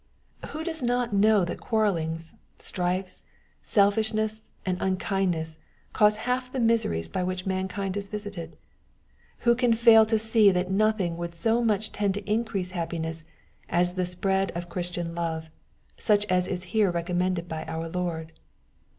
. Who does not know that qaarrelUngs, strifes, selfishness, and unkind ness cause half the miseries by which mankind is visited ? Who can fail to see that nothing would so much tend to increase happiness as the spread of Christian love, such as is here recommended by our Lord